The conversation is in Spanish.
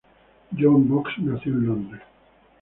John Box nació en Londres.